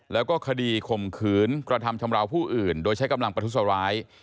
แล้วก็คดีข่มขืนกระทำชำราวผู้อื่นโดยใช้กำลังประทุษร้าย